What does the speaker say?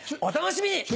お楽しみに！